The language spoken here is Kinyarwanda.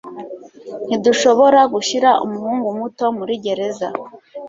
Ntidushobora gushyira umuhungu muto muri gereza